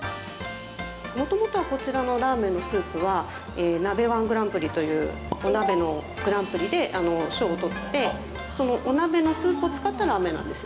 元々こちらのラーメンのスープは鍋−１グランプリというお鍋のグランプリで賞を取ってそのお鍋のスープを使ったラーメンなんです。